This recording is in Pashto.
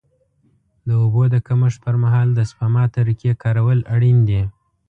د اوبو د کمښت پر مهال د سپما طریقې کارول اړین دي.